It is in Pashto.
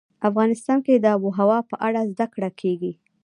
افغانستان کې د آب وهوا په اړه زده کړه کېږي.